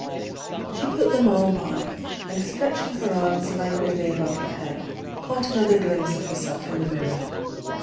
She put them all by, and stretching her arms languidly above her head, caught another glimpse of herself in the mirror.